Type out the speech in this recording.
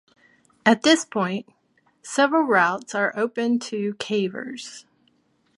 At this point, several routes are open to cavers.